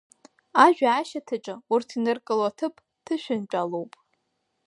Ажәа ашьаҭаҿы урҭ иныркыло аҭыԥ ҭышәантәалоуп.